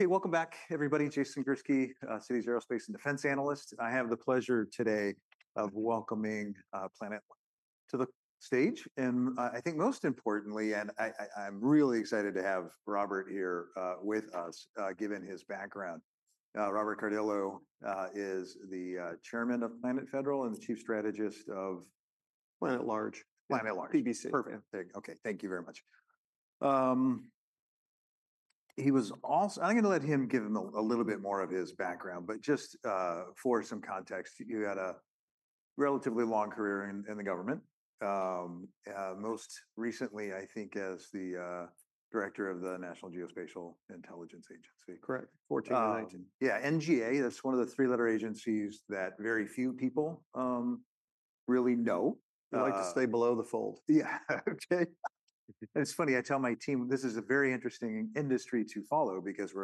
Hey, welcome back, everybody. Jason Gursky, Citi's Aerospace and Defense Analyst. I have the pleasure today of welcoming Planet Labs to the stage. I think most importantly, and I'm really excited to have Robert here with us, given his background. Robert Cardillo is the Chairman of Planet Federal and the chief strategist of Planet Large. Planet Labs. PBC. Perfect. Okay, thank you very much. He was also, I'm going to let him give a little bit more of his background, but just for some context, you had a relatively long career in the government. Most recently, I think, as the director of the National Geospatial-Intelligence Agency. Correct. Yeah. NGA. That's one of the three-letter agencies that very few people really know. I like to stay below the fold. Yeah, okay. It's funny. I tell my team, this is a very interesting industry to follow because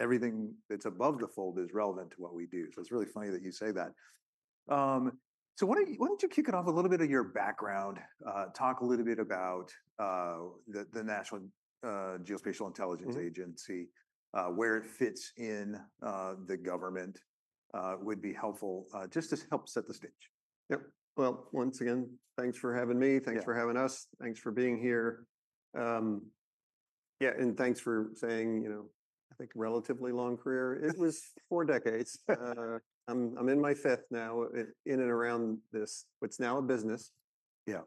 everything that's above the fold is relevant to what we do. So it's really funny that you say that. So why don't you kick it off a little bit of your background, talk a little bit about the National Geospatial-Intelligence Agency, where it fits in the government would be helpful, just to help set the stage. Yep. Well, once again, thanks for having me. Thanks for having us. Thanks for being here. Yeah, and thanks for saying, you know, I think relatively long career. It was four decades. I'm in my fifth now in and around this. It's now a business. Yeah.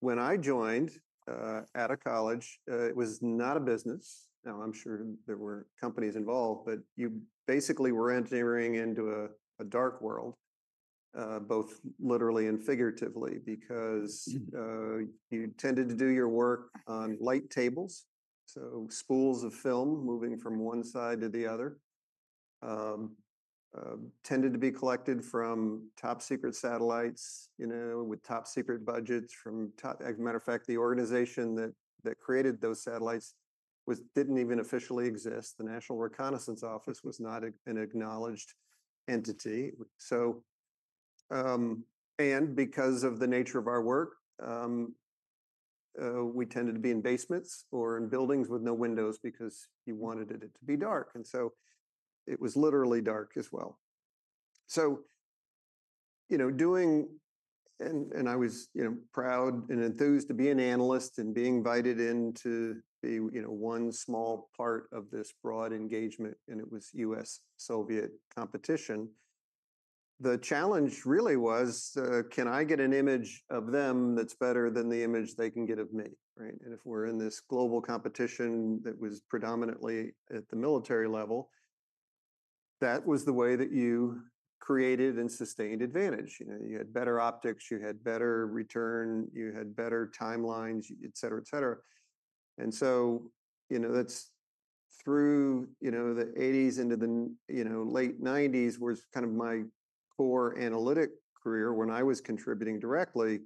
When I joined out of college, it was not a business. Now, I'm sure there were companies involved, but you basically were entering into a dark world, both literally and figuratively, because you tended to do your work on light tables. So spools of film moving from one side to the other tended to be collected from top secret satellites, you know, with top secret budgets from top. As a matter of fact, the organization that created those satellites didn't even officially exist. The National Reconnaissance Office was not an acknowledged entity. Because of the nature of our work, we tended to be in basements or in buildings with no windows because you wanted it to be dark. It was literally dark as well. You know, I was, you know, proud and enthused to be an analyst and being invited in to be, you know, one small part of this broad engagement. It was U.S.-Soviet competition. The challenge really was, can I get an image of them that's better than the image they can get of me, right? If we're in this global competition that was predominantly at the military level, that was the way that you created and sustained advantage. You had better optics, you had better return, you had better timelines, etc. And so, you know, that's through, you know, the 1980s into the, you know, late 1990s was kind of my core analytic career when I was contributing directly.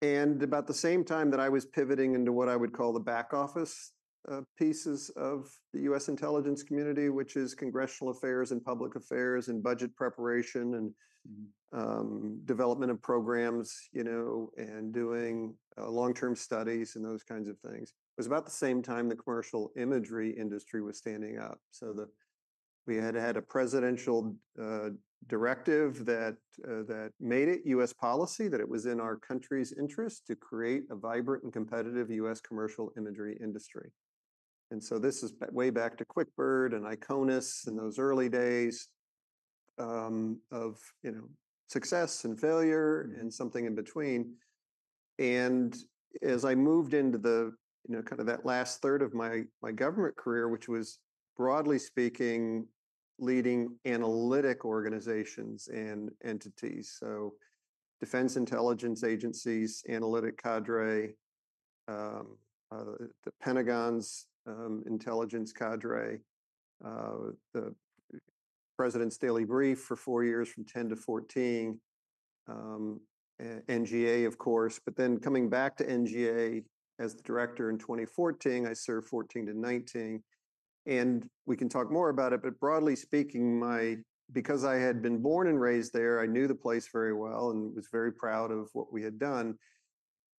And about the same time that I was pivoting into what I would call the back office pieces of the U.S. intelligence community, which is congressional affairs and public affairs and budget preparation and development of programs, you know, and doing long-term studies and those kinds of things, it was about the same time the commercial imagery industry was standing up. So we had had a presidential directive that made it U.S. policy that it was in our country's interest to create a vibrant and competitive U.S. commercial imagery industry. And so this is way back to QuickBird and IKONOS in those early days of, you know, success and failure and something in between. And as I moved into the, you know, kind of that last third of my government career, which was broadly speaking, leading analytic organizations and entities. So Defense Intelligence Agency's, analytic cadre, the Pentagon's intelligence cadre, the President's Daily Brief for four years from 2010 to 2014, NGA, of course. But then coming back to NGA as the director in 2014, I served 2014 to 2019. And we can talk more about it, but broadly speaking, because I had been born and raised there, I knew the place very well and was very proud of what we had done.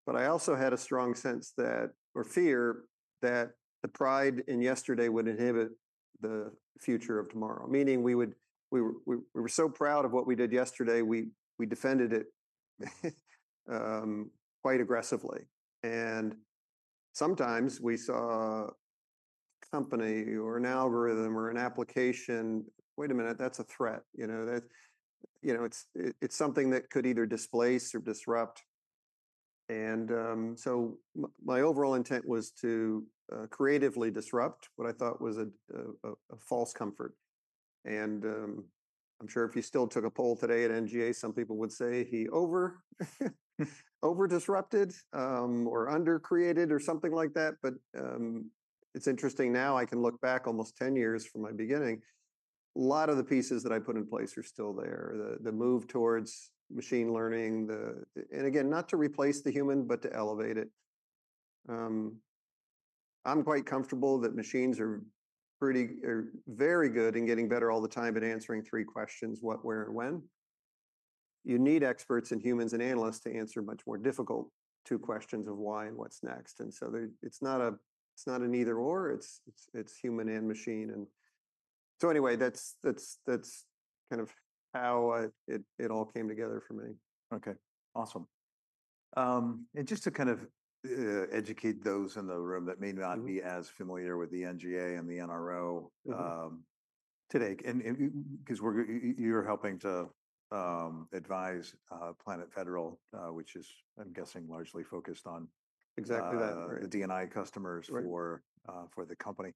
But I also had a strong sense that, or fear, that the pride in yesterday would inhibit the future of tomorrow. Meaning we were so proud of what we did yesterday, we defended it quite aggressively. And sometimes we saw a company or an algorithm or an application, wait a minute, that's a threat. You know, it's something that could either displace or disrupt. And so my overall intent was to creatively disrupt what I thought was a false comfort. And I'm sure if you still took a poll today at NGA, some people would say he over-disrupted or under-created or something like that. But it's interesting now. I can look back almost 10 years from my beginning, a lot of the pieces that I put in place are still there. The move towards machine learning, and again, not to replace the human, but to elevate it. I'm quite comfortable that machines are pretty very good in getting better all the time at answering three questions: what, where, and when. You need experts and humans and analysts to answer much more difficult two questions of why and what's next. And so it's not a neither/or, it's human and machine. And so anyway, that's kind of how it all came together for me. Okay. Awesome. And just to kind of educate those in the room that may not be as familiar with the NGA and the NRO today, because you're helping to advise Planet Federal, which is, I'm guessing, largely focused on the DNI customers for the company.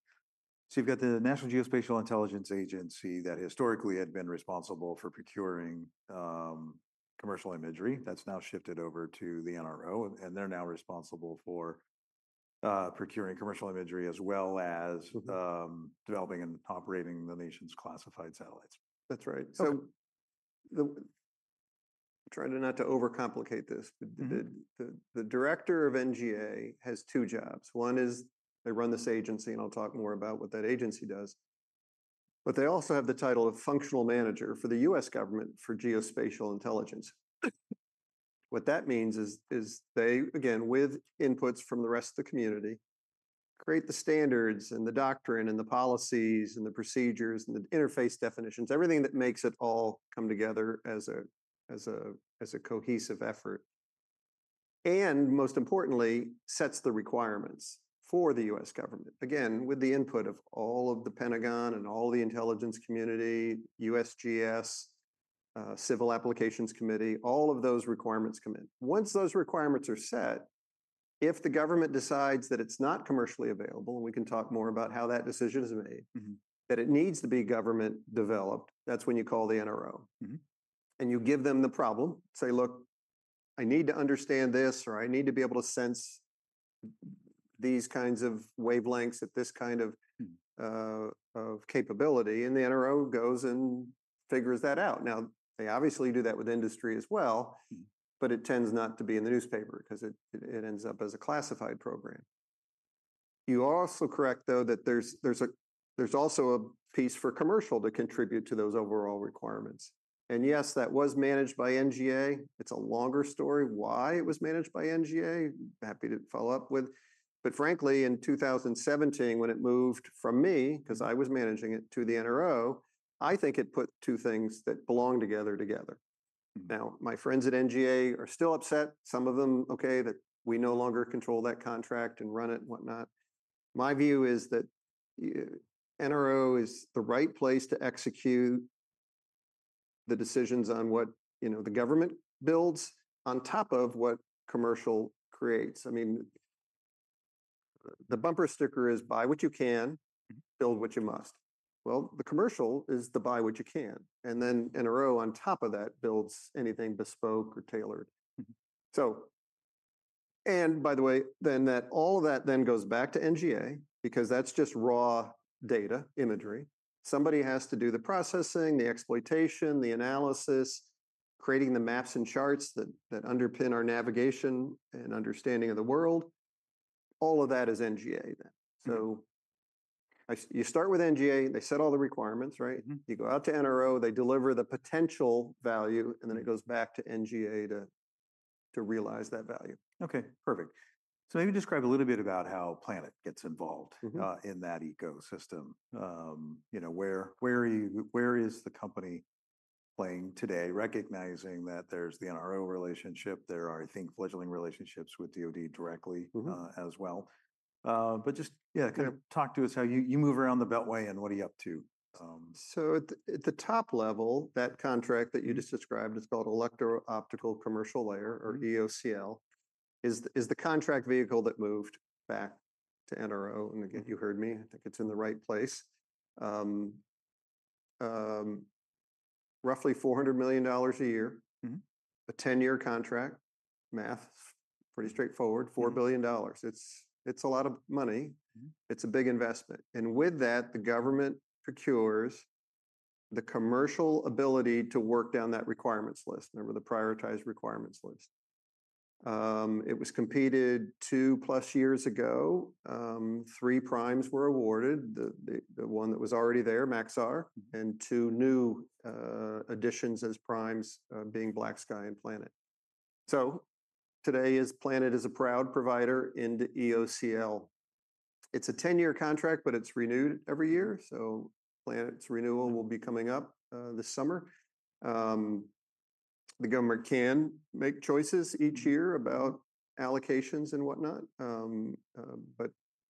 So you've got the National Geospatial-Intelligence Agency that historically had been responsible for procuring commercial imagery. That's now shifted over to the NRO, and they're now responsible for procuring commercial imagery as well as developing and operating the nation's classified satellites. That's right. So trying not to overcomplicate this, the Director of NGA has two jobs. One is they run this agency, and I'll talk more about what that agency does. But they also have the title of functional manager for the U.S. government for geospatial intelligence. What that means is they, again, with inputs from the rest of the community, create the standards and the doctrine and the policies and the procedures and the interface definitions, everything that makes it all come together as a cohesive effort. And most importantly, sets the requirements for the U.S. government. Again, with the input of all of the Pentagon and all the intelligence community, USGS, Civil Applications Committee, all of those requirements come in. Once those requirements are set, if the government decides that it's not commercially available, and we can talk more about how that decision is made, that it needs to be government developed, that's when you call the NRO, and you give them the problem, say, "Look, I need to understand this," or "I need to be able to sense these kinds of wavelengths at this kind of capability," and the NRO goes and figures that out. Now, they obviously do that with industry as well, but it tends not to be in the newspaper because it ends up as a classified program. You are also correct, though, that there's also a piece for commercial to contribute to those overall requirements, and yes, that was managed by NGA. It's a longer story why it was managed by NGA. Happy to follow up with. But frankly, in 2017, when it moved from me, because I was managing it to the NRO, I think it put two things that belong together together. Now, my friends at NGA are still upset, some of them, okay, that we no longer control that contract and run it and whatnot. My view is that NRO is the right place to execute the decisions on what the government builds on top of what commercial creates. I mean, the bumper sticker is, "Buy what you can, build what you must." Well, the commercial is the "Buy what you can." And then NRO on top of that builds anything bespoke or tailored. So, and by the way, then all of that then goes back to NGA because that's just raw data imagery. Somebody has to do the processing, the exploitation, the analysis, creating the maps and charts that underpin our navigation and understanding of the world. All of that is NGA then. So you start with NGA, they set all the requirements, right? You go out to NRO, they deliver the potential value, and then it goes back to NGA to realize that value. Okay. Perfect. So maybe describe a little bit about how Planet gets involved in that ecosystem. You know, where is the company playing today, recognizing that there's the NRO relationship, there are, I think, fledgling relationships with DOD directly as well. But just, yeah, kind of talk to us how you move around the Beltway and what are you up to. So at the top level, that contract that you just described is called Electro-Optical Commercial Layer, or EOCL, is the contract vehicle that moved back to NRO. And again, you heard me, I think it's in the right place. Roughly $400 million a year, a 10-year contract. Math, pretty straightforward, $4 billion. It's a lot of money. It's a big investment. And with that, the government procures the commercial ability to work down that requirements list, remember the prioritized requirements list. It was competed two plus years ago. Three primes were awarded, the one that was already there, Maxar, and two new additions as primes, being BlackSky and Planet. So today Planet is a proud provider into EOCL. It's a 10-year contract, but it's renewed every year. So Planet's renewal will be coming up this summer. The government can make choices each year about allocations and whatnot. But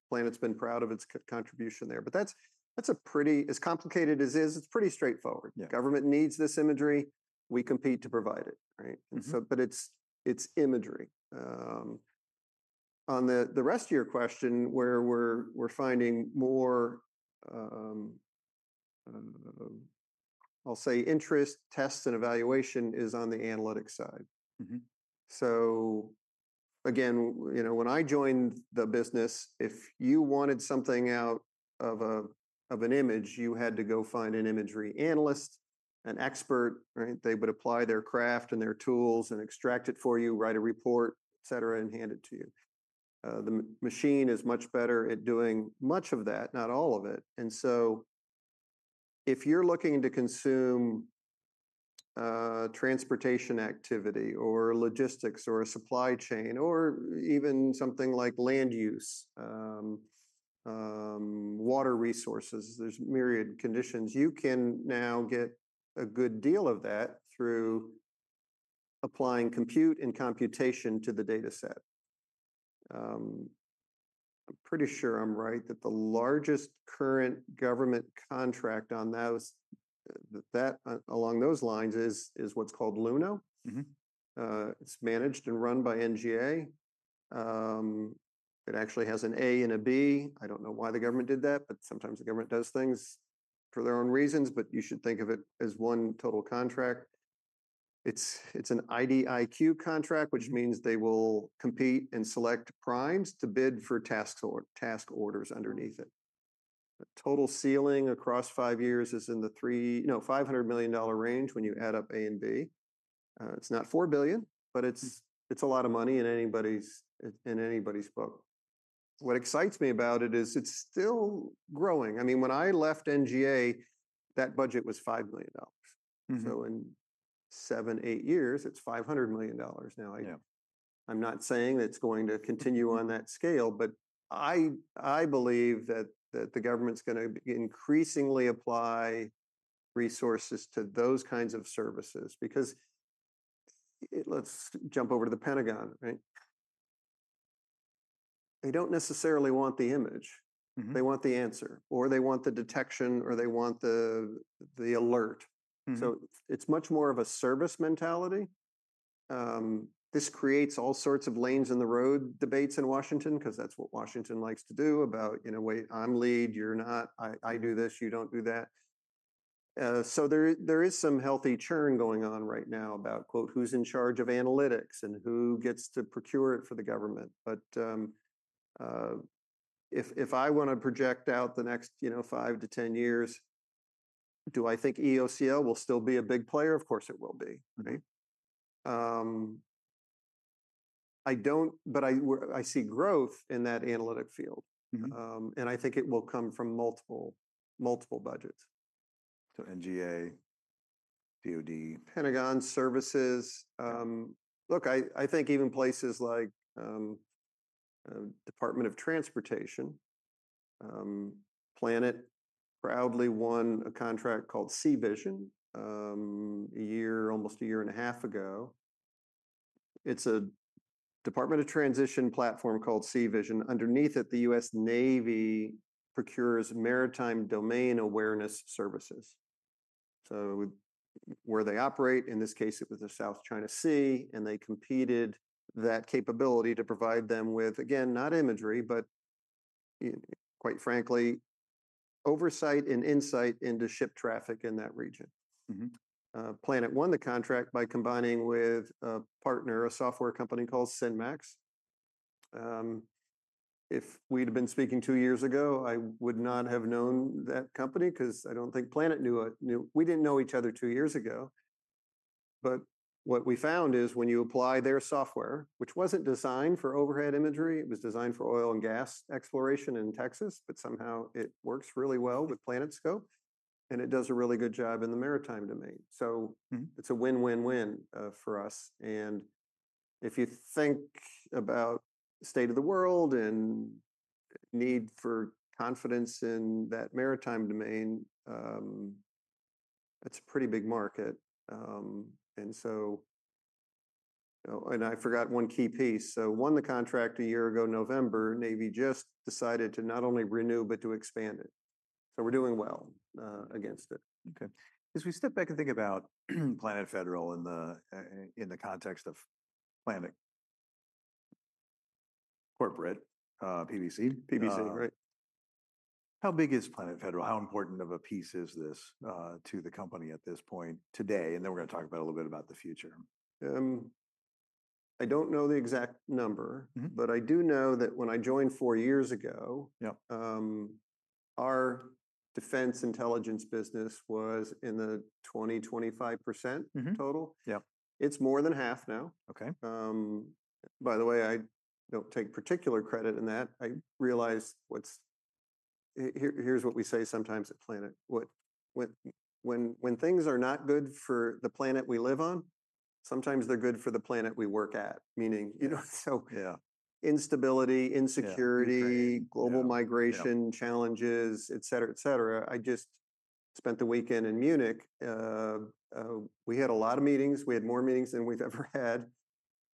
Planet's been proud of its contribution there. But that's a pretty, as complicated as it is, it's pretty straightforward. Government needs this imagery. We compete to provide it, right? But it's imagery. On the rest of your question, where we're finding more, I'll say interest, tests, and evaluation is on the analytic side. So again, you know, when I joined the business, if you wanted something out of an image, you had to go find an imagery analyst, an expert, right? They would apply their craft and their tools and extract it for you, write a report, et cetera, and hand it to you. The machine is much better at doing much of that, not all of it. And so if you're looking to consume transportation activity or logistics or a supply chain or even something like land use, water resources, there's myriad conditions. You can now get a good deal of that through applying compute and computation to the dataset. I'm pretty sure I'm right that the largest current government contract on those, that along those lines, is what's called Luno. It's managed and run by NGA. It actually has an A and a B. I don't know why the government did that, but sometimes the government does things for their own reasons, but you should think of it as one total contract. It's an IDIQ contract, which means they will compete and select primes to bid for task orders underneath it. Total ceiling across five years is in the $500 million range when you add up A and B. It's not $4 billion, but it's a lot of money in anybody's book. What excites me about it is it's still growing. I mean, when I left NGA, that budget was $5 million. So in seven, eight years, it's $500 million now. I'm not saying that it's going to continue on that scale, but I believe that the government's going to increasingly apply resources to those kinds of services because let's jump over to the Pentagon, right? They don't necessarily want the image. They want the answer, or they want the detection, or they want the alert. So it's much more of a service mentality. This creates all sorts of lanes in the road debates in Washington because that's what Washington likes to do about, you know, wait, I'm lead, you're not, I do this, you don't do that. So there is some healthy churn going on right now about “who's in charge of analytics and who gets to procure it for the government.” But if I want to project out the next, you know, five to 10 years, do I think EOCL will still be a big player? Of course it will be, right? I don't, but I see growth in that analytic field. And I think it will come from multiple budgets. NGA, DOD. Pentagon services. Look, I think even places like Department of Transportation. Planet proudly won a contract called SeaVision a year, almost a year and a half ago. It's a Department of Transportation platform called SeaVision. Underneath it, the U.S. Navy procures maritime domain awareness services. So where they operate, in this case, it was the South China Sea, and they competed. That capability to provide them with, again, not imagery, but quite frankly, oversight and insight into ship traffic in that region. Planet won the contract by combining with a partner, a software company called SynMax. If we'd have been speaking two years ago, I would not have known that company because I don't think Planet knew it. We didn't know each other two years ago. But what we found is when you apply their software, which wasn't designed for overhead imagery, it was designed for oil and gas exploration in Texas, but somehow it works really well with PlanetScope. And it does a really good job in the maritime domain. So it's a win-win-win for us. And if you think about the state of the world and need for confidence in that maritime domain, it's a pretty big market. And so I forgot one key piece. So we won the contract a year ago, November. Navy just decided to not only renew, but to expand it. So we're doing well against it. Okay. As we step back and think about Planet Federal in the context of Planet corporate PBC, right? How big is Planet Federal? How important of a piece is this to the company at this point today? And then we're going to talk about a little bit about the future. I don't know the exact number, but I do know that when I joined four years ago, our defense intelligence business was in the 20%-25% total. It's more than half now. By the way, I don't take particular credit in that. I realize what's. Here's what we say sometimes at Planet. When things are not good for the planet we live on, sometimes they're good for the planet we work at. Meaning, you know, so instability, insecurity, global migration challenges, etc. I just spent the weekend in Munich. We had a lot of meetings. We had more meetings than we've ever had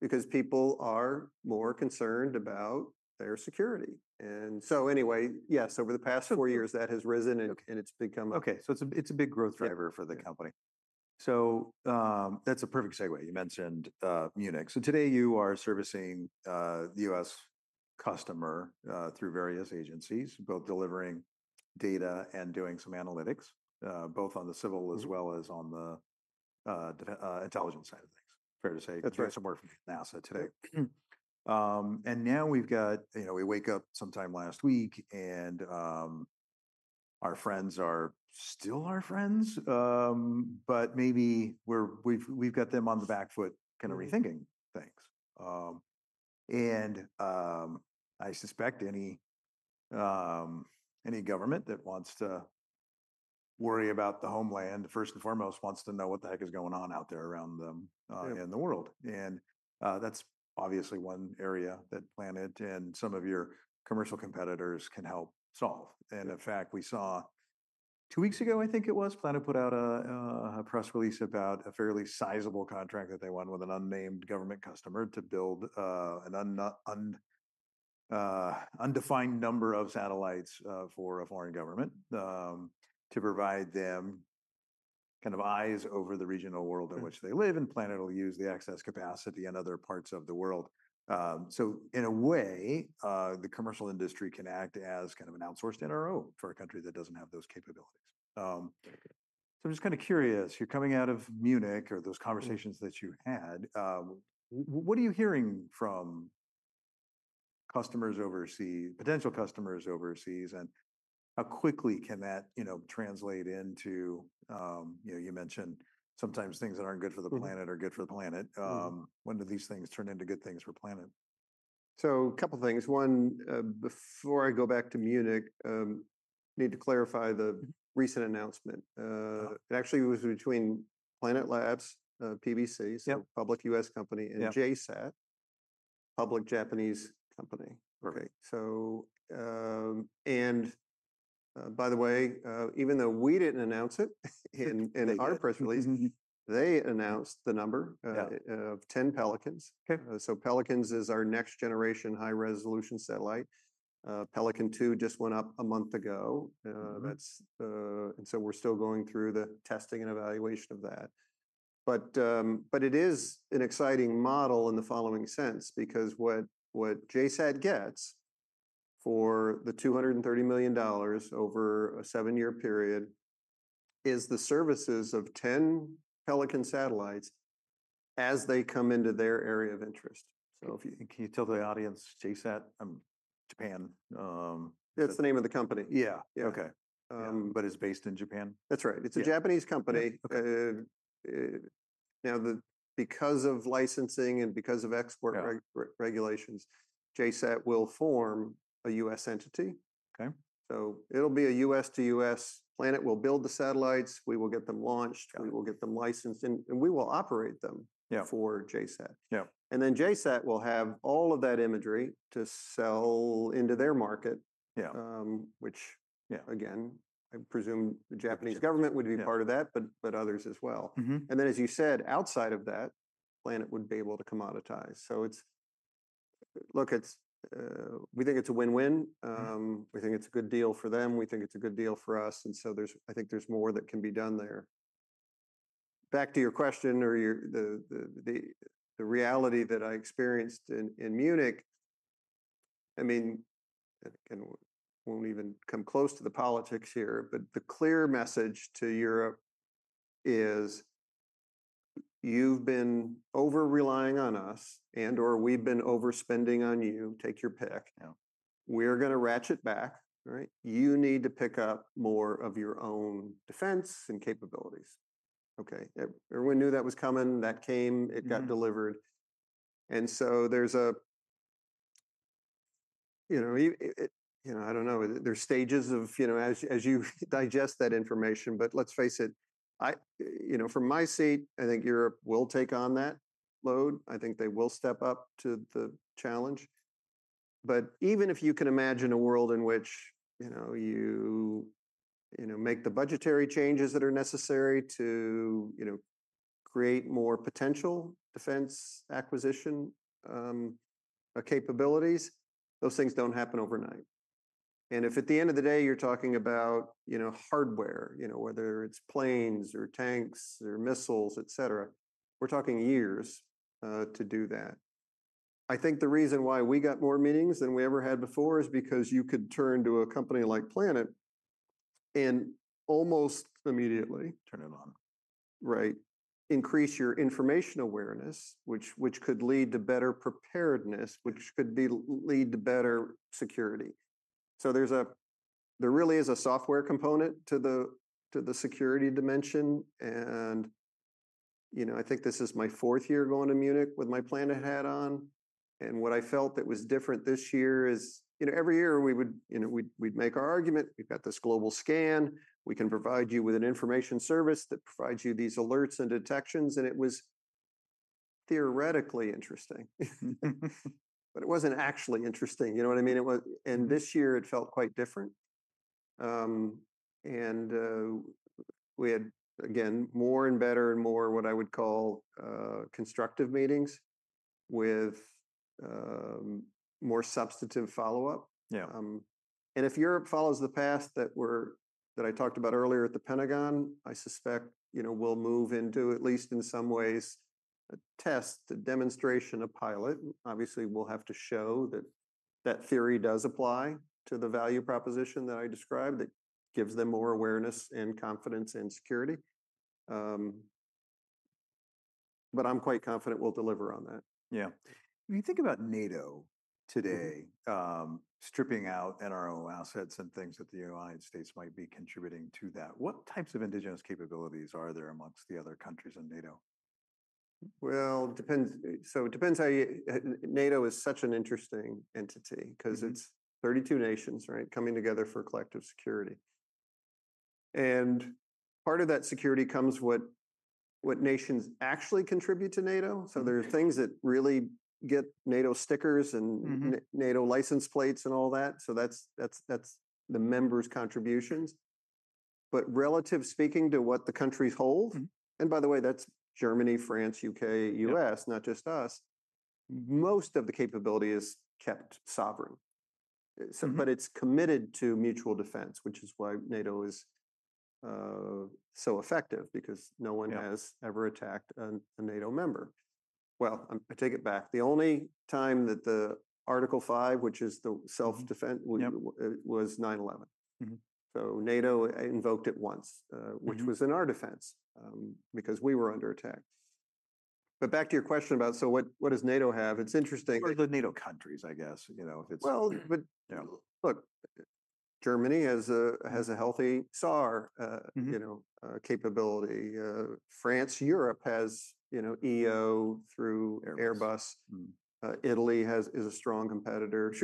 because people are more concerned about their security. Anyway, yes, over the past four years, that has risen and it's become. Okay. So it's a big growth driver for the company. So that's a perfect segue. You mentioned Munich. So today you are servicing the U.S. customer through various agencies, both delivering data and doing some analytics, both on the civil as well as on the intelligence side of things. Fair to say, you're doing some work for NASA today. And now we've got, you know, we wake up sometime last week and our friends are still our friends, but maybe we've got them on the back foot kind of rethinking things. And I suspect any government that wants to worry about the homeland, first and foremost, wants to know what the heck is going on out there around them in the world. And that's obviously one area that Planet and some of your commercial competitors can help solve. And in fact, we saw two weeks ago, I think it was, Planet put out a press release about a fairly sizable contract that they won with an unnamed government customer to build an undefined number of satellites for a foreign government to provide them kind of eyes over the regional world in which they live, and Planet will use the excess capacity in other parts of the world. So in a way, the commercial industry can act as kind of an outsourced NRO for a country that doesn't have those capabilities. So I'm just kind of curious, you're coming out of Munich or those conversations that you had, what are you hearing from customers overseas, potential customers overseas, and how quickly can that, you know, translate into, you know, you mentioned sometimes things that aren't good for the planet are good for the planet. When do these things turn into good things for Planet? So a couple of things. One, before I go back to Munich, I need to clarify the recent announcement. It actually was between Planet Labs PBC, so public U.S. company, and JSAT, public Japanese company. Okay. So, and by the way, even though we didn't announce it in our press release, they announced the number of 10 Pelicans. So Pelicans is our next generation high resolution satellite. Pelican 2 just went up a month ago. And so we're still going through the testing and evaluation of that. But it is an exciting model in the following sense because what JSAT gets for the $230 million over a seven-year period is the services of 10 Pelican satellites as they come into their area of interest. So if you tell the audience, JSAT, Japan. That's the name of the company. Yeah. Okay, but it's based in Japan. That's right. It's a Japanese company. Now, because of licensing and because of export regulations, JSAT will form a U.S. entity. So it'll be a U.S. to U.S. Planet will build the satellites. We will get them launched. We will get them licensed. And we will operate them for JSAT. And then JSAT will have all of that imagery to sell into their market, which again, I presume the Japanese government would be part of that, but others as well. And then, as you said, outside of that, Planet would be able to commoditize. So it's, look, we think it's a win-win. We think it's a good deal for them. We think it's a good deal for us. And so there's, I think there's more that can be done there. Back to your question or the reality that I experienced in Munich. I mean, I won't even come close to the politics here, but the clear message to Europe is you've been over-relying on us and/or we've been overspending on you. Take your pick. We're going to ratchet back, right? You need to pick up more of your own defense and capabilities. Okay. Everyone knew that was coming. That came. It got delivered. And so there's, you know, I don't know. There's stages of, you know, as you digest that information, but let's face it, you know, from my seat, I think Europe will take on that load. I think they will step up to the challenge. But even if you can imagine a world in which, you know, you, you know, make the budgetary changes that are necessary to, you know, create more potential defense acquisition capabilities, those things don't happen overnight. And if at the end of the day, you're talking about, you know, hardware, you know, whether it's planes or tanks or missiles, et cetera, we're talking years to do that. I think the reason why we got more meetings than we ever had before is because you could turn to a company like Planet and almost immediately. Turn it on. Right. Increase your information awareness, which could lead to better preparedness, which could lead to better security. So there really is a software component to the security dimension. And, you know, I think this is my fourth year going to Munich with my Planet hat on. And what I felt that was different this year is, you know, every year we would, you know, we'd make our argument. We've got this global scan. We can provide you with an information service that provides you these alerts and detections. And it was theoretically interesting, but it wasn't actually interesting. You know what I mean? And this year it felt quite different. And we had, again, more and better and more what I would call constructive meetings with more substantive follow-up. If Europe follows the path that I talked about earlier at the Pentagon, I suspect, you know, we'll move into at least in some ways a test, a demonstration, a pilot. Obviously, we'll have to show that that theory does apply to the value proposition that I described that gives them more awareness and confidence and security. I'm quite confident we'll deliver on that. Yeah. When you think about NATO today, stripping out NRO assets and things that the United States might be contributing to that, what types of indigenous capabilities are there amongst the other countries in NATO? Well, it depends. So it depends. NATO is such an interesting entity because it's 32 nations, right, coming together for collective security. And part of that security comes what nations actually contribute to NATO. So there are things that really get NATO stickers and NATO license plates and all that. So that's the members' contributions. But relative speaking to what the countries hold, and by the way, that's Germany, France, U.K., U.S., not just us, most of the capability is kept sovereign. But it's committed to mutual defense, which is why NATO is so effective because no one has ever attacked a NATO member. Well, I take it back. The only time that the Article 5, which is the self-defense, was 9/11. So NATO invoked it once, which was in our defense because we were under attack. But back to your question about, so what does NATO have? It's interesting. The NATO countries, I guess, you know, it's. Well, but look, Germany has a healthy SAR, you know, capability. France, Europe has, you know, EO through Airbus. Italy is a strong competitor.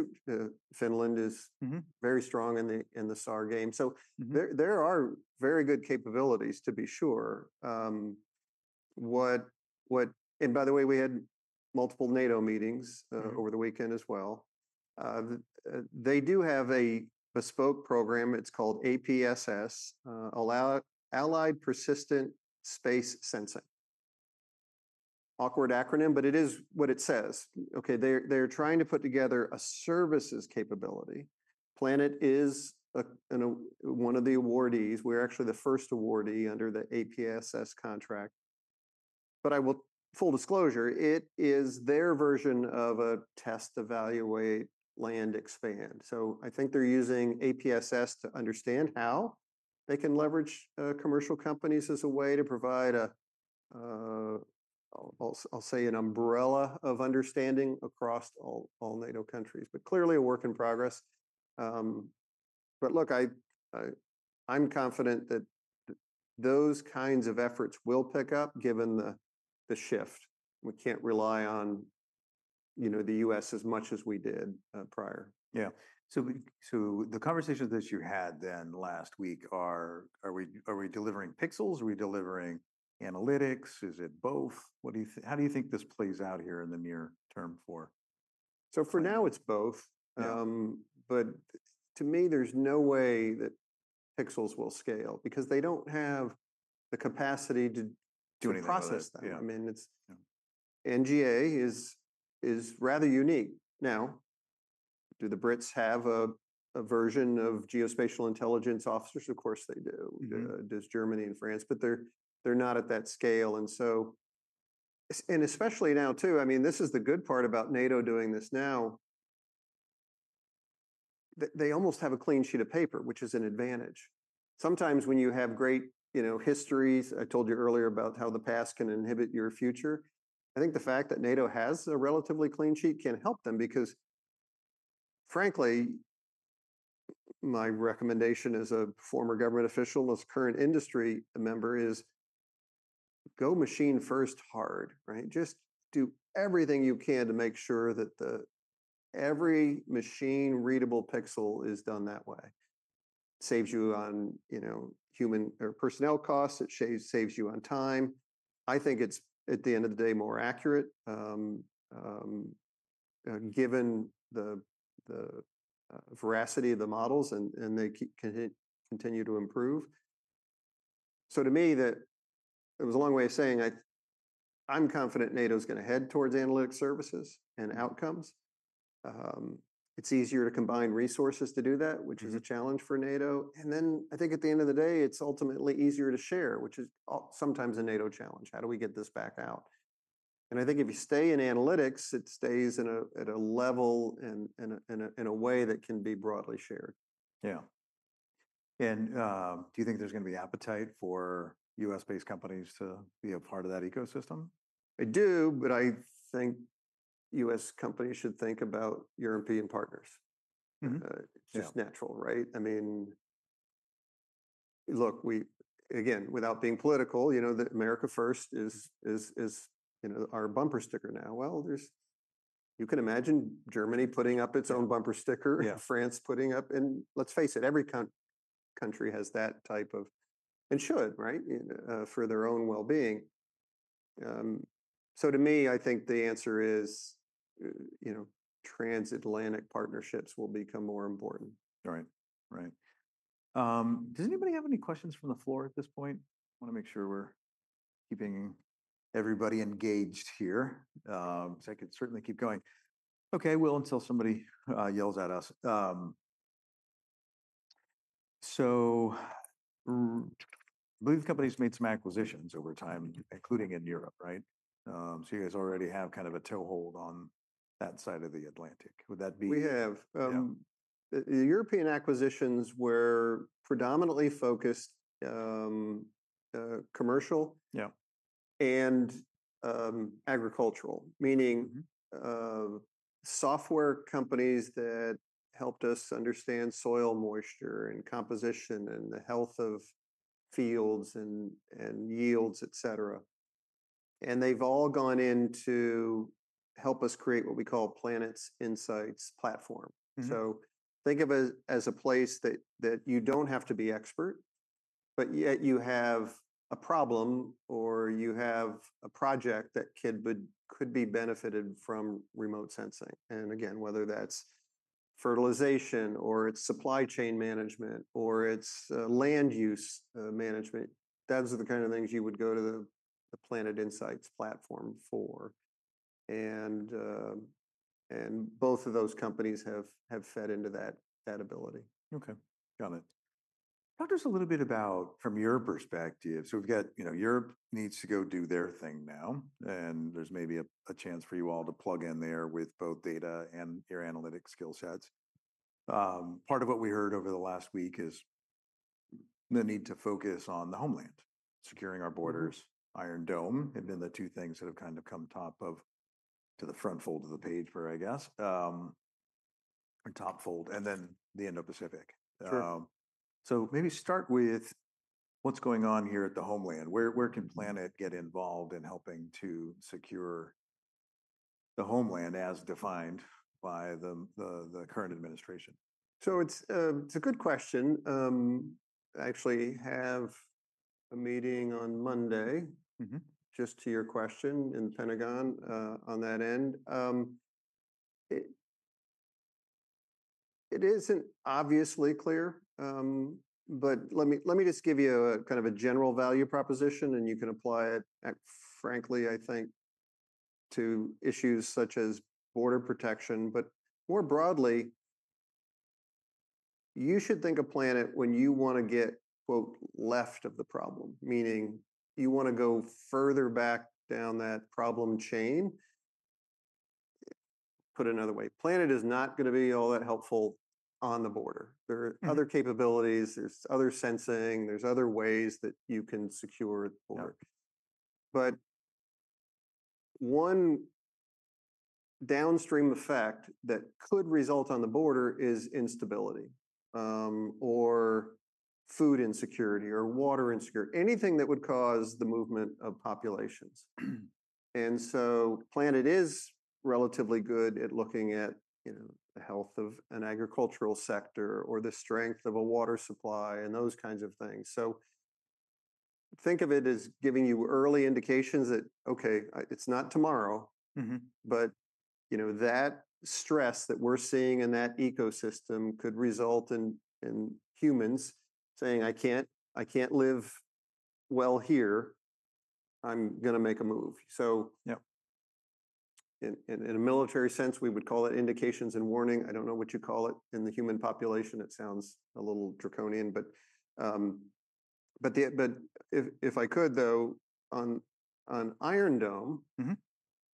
Finland is very strong in the SAR game. So there are very good capabilities to be sure. And by the way, we had multiple NATO meetings over the weekend as well. They do have a bespoke program. It's called APSS, Allied Persistent Space Sensing. Awkward acronym, but it is what it says. Okay. They're trying to put together a services capability. Planet is one of the awardees. We're actually the first awardee under the APSS contract. But I will, full disclosure, it is their version of a test, evaluate, land expand. So I think they're using APSS to understand how they can leverage commercial companies as a way to provide a, I'll say, an umbrella of understanding across all NATO countries, but clearly a work in progress. But look, I'm confident that those kinds of efforts will pick up given the shift. We can't rely on, you know, the U.S. as much as we did prior. Yeah, so the conversations that you had then last week are we delivering pixels? Are we delivering analytics? Is it both? What do you think? How do you think this plays out here in the near-term for? So for now, it's both. But to me, there's no way that pixels will scale because they don't have the capacity to process them. I mean, NGA is rather unique. Now, do the Brits have a version of geospatial intelligence officers? Of course they do. Does Germany and France, but they're not at that scale. And so, and especially now too, I mean, this is the good part about NATO doing this now. They almost have a clean sheet of paper, which is an advantage. Sometimes when you have great, you know, histories, I told you earlier about how the past can inhibit your future. I think the fact that NATO has a relatively clean sheet can help them because frankly, my recommendation as a former government official, as current industry member, is go machine first hard, right? Just do everything you can to make sure that every machine-readable pixel is done that way. Saves you on, you know, human or personnel costs. It saves you on time. I think it's at the end of the day more accurate given the veracity of the models and they continue to improve, so to me, that was a long way of saying I'm confident NATO's going to head towards analytic services and outcomes. It's easier to combine resources to do that, which is a challenge for NATO, and then I think at the end of the day, it's ultimately easier to share, which is sometimes a NATO challenge. How do we get this back out, and I think if you stay in analytics, it stays at a level and in a way that can be broadly shared. Yeah, and do you think there's going to be appetite for U.S.-based companies to be a part of that ecosystem? I do, but I think U.S. companies should think about European partners. It's just natural, right? I mean, look, we again, without being political, you know, that America First is, you know, our bumper sticker now. Well, you can imagine Germany putting up its own bumper sticker, France putting up, and let's face it, every country has that type of and should, right, for their own well-being. So to me, I think the answer is, you know, transatlantic partnerships will become more important. All right. Right. Does anybody have any questions from the floor at this point? I want to make sure we're keeping everybody engaged here. So I could certainly keep going. Okay. Well, until somebody yells at us. So I believe the company's made some acquisitions over time, including in Europe, right? So you guys already have kind of a toehold on that side of the Atlantic. Would that be? We have. The European acquisitions were predominantly focused commercial and agricultural, meaning software companies that helped us understand soil moisture and composition and the health of fields and yields, etc. And they've all gone in to help us create what we call Planet Insights Platform. So think of it as a place that you don't have to be expert, but yet you have a problem or you have a project that could be benefited from remote sensing. And again, whether that's fertilization or it's supply chain management or it's land use management, those are the kind of things you would go to the Planet Insights Platform for. And both of those companies have fed into that ability. Okay. Got it. Talk to us a little bit about from your perspective. So we've got, you know, Europe needs to go do their thing now. And there's maybe a chance for you all to plug in there with both data and your analytic skill sets. Part of what we heard over the last week is the need to focus on the homeland, securing our borders, Iron Dome. It's been the two things that have kind of come top of to the front fold of the paper, I guess, or top fold, and then the Indo-Pacific. So maybe start with what's going on here at the homeland. Where can Planet get involved in helping to secure the homeland as defined by the current administration? So it's a good question. I actually have a meeting on Monday just to your question in the Pentagon on that end. It isn't obviously clear, but let me just give you a kind of a general value proposition and you can apply it, frankly, I think, to issues such as border protection. But more broadly, you should think of Planet when you want to get, “left of the problem,” meaning you want to go further back down that problem chain. Put another way, Planet is not going to be all that helpful on the border. There are other capabilities. There's other sensing. There's other ways that you can secure the border. But one downstream effect that could result on the border is instability or food insecurity or water insecurity, anything that would cause the movement of populations. Planet is relatively good at looking at, you know, the health of an agricultural sector or the strength of a water supply and those kinds of things. Think of it as giving you early indications that, okay, it's not tomorrow, but you know, that stress that we're seeing in that ecosystem could result in humans saying, "I can't live well here. I'm going to make a move." In a military sense, we would call it indications and warning. I don't know what you call it in the human population. It sounds a little draconian, but if I could, though, on Iron Dome,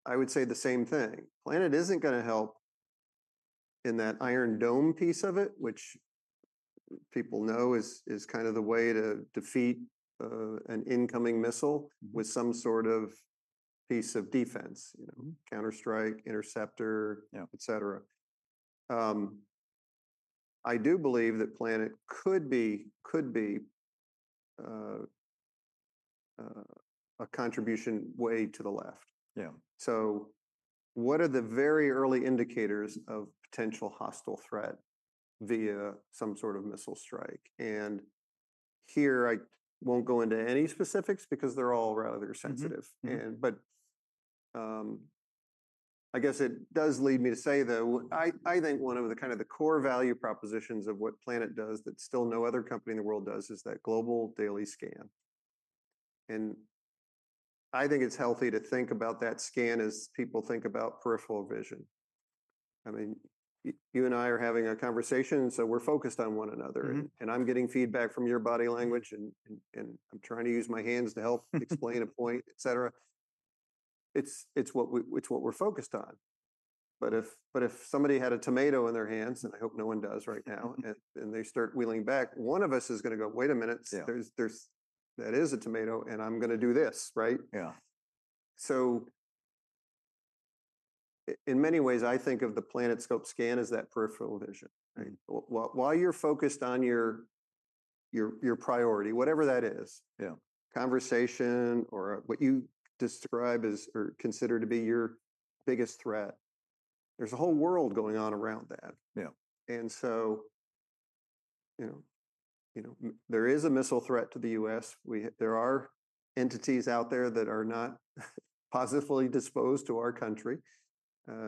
I would say the same thing. Planet isn't going to help in that Iron Dome piece of it, which people know is kind of the way to defeat an incoming missile with some sort of piece of defense, you know, counterstrike, interceptor, etc. I do believe that Planet could be a contribution way to the left. Yeah. So what are the very early indicators of potential hostile threat via some sort of missile strike? And here, I won't go into any specifics because they're all rather sensitive. But I guess it does lead me to say that I think one of the kind of the core value propositions of what Planet does that still no other company in the world does is that global daily scan. And I think it's healthy to think about that scan as people think about peripheral vision. I mean, you and I are having a conversation, so we're focused on one another. And I'm getting feedback from your body language, and I'm trying to use my hands to help explain a point, etc. It's what we're focused on. But if somebody had a tomato in their hands, and I hope no one does right now, and they start wheeling back, one of us is going to go, "Wait a minute, that is a tomato, and I'm going to do this," right? Yeah. So in many ways, I think of the PlanetScope scan as that peripheral vision. While you're focused on your priority, whatever that is, conversation or what you describe as or consider to be your biggest threat, there's a whole world going on around that. Yeah. And so, you know, there is a missile threat to the U.S. There are entities out there that are not positively disposed to our country.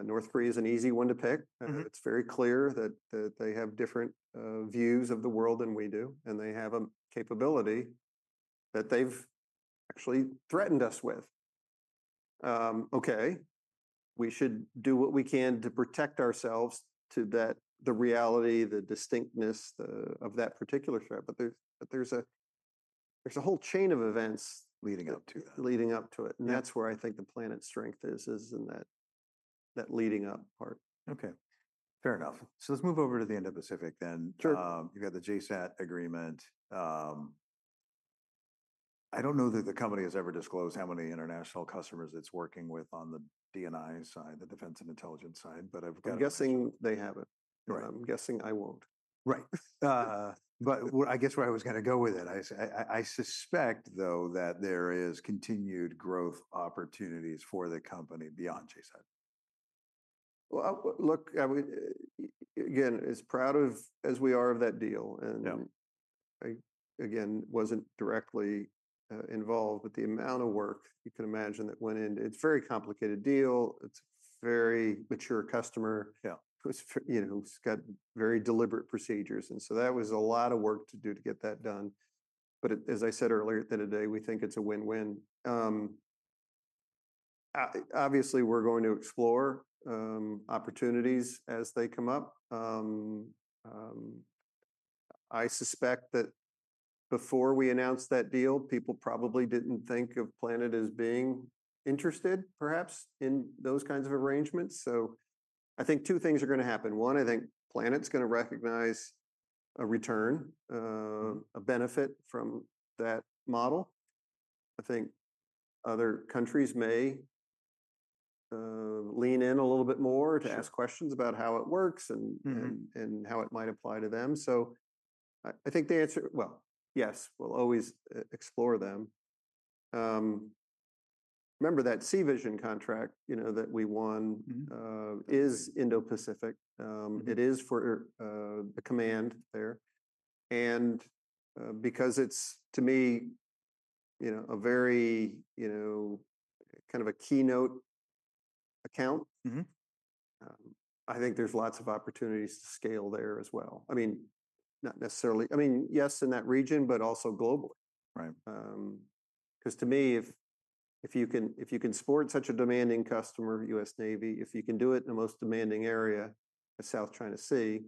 North Korea is an easy one to pick. It's very clear that they have different views of the world than we do, and they have a capability that they've actually threatened us with. Okay. We should do what we can to protect ourselves to that, the reality, the distinctness of that particular threat. But there's a whole chain of events leading up to it. And that's where I think Planet's strength is in that leading up part. Okay. Fair enough, so let's move over to the Indo-Pacific then. You've got the JSAT agreement. I don't know that the company has ever disclosed how many international customers it's working with on the DNI side, the defense and intelligence side, but I've got. I'm guessing they haven't. I'm guessing I won't. Right. But I guess where I was going to go with it, I suspect though that there is continued growth opportunities for the company beyond JSAT. Well, look, again, as proud as we are of that deal, and again, wasn't directly involved, but the amount of work you can imagine that went in, it's a very complicated deal. It's a very mature customer who's got very deliberate procedures. And so that was a lot of work to do to get that done. But as I said earlier today, we think it's a win-win. Obviously, we're going to explore opportunities as they come up. I suspect that before we announced that deal, people probably didn't think of Planet as being interested perhaps in those kinds of arrangements. So I think two things are going to happen. One, I think Planet's going to recognize a return, a benefit from that model. I think other countries may lean in a little bit more to ask questions about how it works and how it might apply to them. So I think the answer, well, yes, we'll always explore them. Remember that SeaVision contract, you know, that we won is Indo-Pacific. It is for the command there. And because it's, to me, you know, a very, you know, kind of a keynote account, I think there's lots of opportunities to scale there as well. I mean, not necessarily, I mean, yes, in that region, but also globally. Because to me, if you can support such a demanding customer, U.S. Navy, if you can do it in the most demanding area of South China Sea,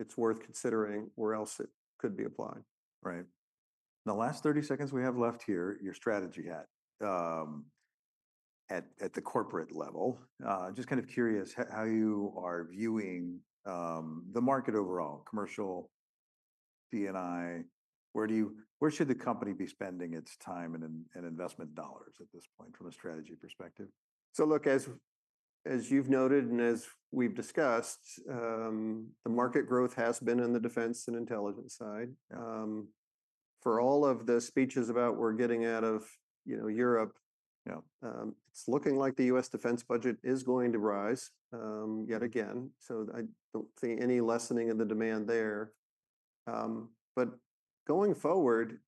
it's worth considering where else it could be applied. Right. The last 30 seconds we have left here, your strategy hat at the corporate level, just kind of curious how you are viewing the market overall, commercial, DNI, where should the company be spending its time and investment dollars at this point from a strategy perspective? So look, as you've noted and as we've discussed, the market growth has been in the defense and intelligence side. For all of the speeches about we're getting out of, you know, Europe, it's looking like the U.S. defense budget is going to rise yet again. So I don't see any lessening of the demand there. But going forward,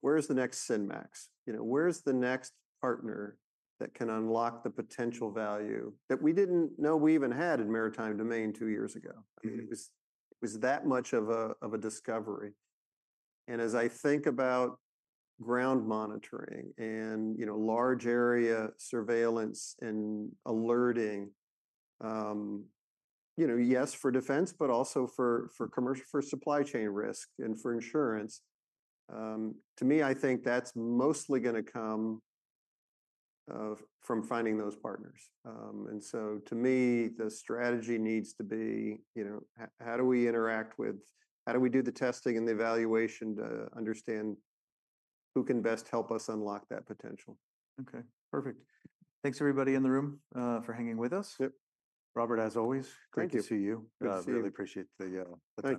where's the next SynMax? You know, where's the next partner that can unlock the potential value that we didn't know we even had in maritime domain two years ago? I mean, it was that much of a discovery. And as I think about ground monitoring and, you know, large area surveillance and alerting, you know, yes for defense, but also for supply chain risk and for insurance, to me, I think that's mostly going to come from finding those partners. And so to me, the strategy needs to be, you know, how do we interact with, how do we do the testing and the evaluation to understand who can best help us unlock that potential? Okay. Perfect. Thanks, everybody in the room for hanging with us. Robert, as always, great to see you. Really appreciate the.